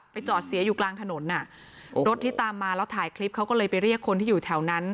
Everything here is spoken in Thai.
จอดเสียอยู่กลางถนนอ่ะรถที่ตามมาแล้วถ่ายคลิปเขาก็เลยไปเรียกคนที่อยู่แถวนั้น